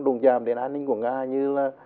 đồn chàm đến an ninh của nga như là